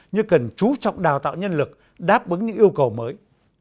như cần chú trọng đào tạo nhân lực đáp ứng những yêu cầu mới